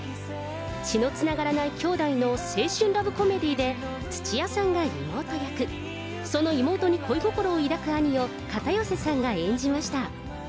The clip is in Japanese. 血のつながらない兄妹の青春ラブコメディーで土屋さんが妹役、その妹に恋心を抱く兄を片寄さんが演じました。